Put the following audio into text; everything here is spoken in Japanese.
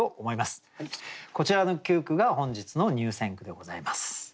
こちらの９句が本日の入選句でございます。